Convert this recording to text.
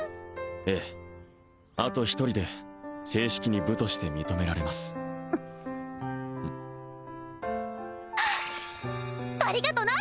ええあと１人で正式に部として認められますありがとな！